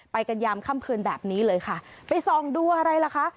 กันยามค่ำคืนแบบนี้เลยค่ะไปส่องดูอะไรล่ะคะ